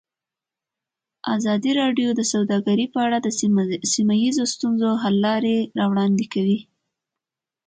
ازادي راډیو د سوداګري په اړه د سیمه ییزو ستونزو حل لارې راوړاندې کړې.